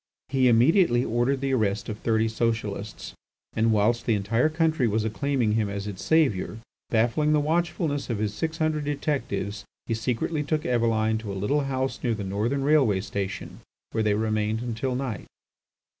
He immediately ordered the arrest of thirty Socialists, and whilst the entire country was acclaiming him as its saviour, baffling the watchfulness of his six hundred detectives, he secretly took Eveline to a little house near the Northern railway station, where they remained until night.